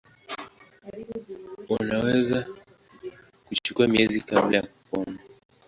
Unaweza kuchukua miezi kabla ya kupona.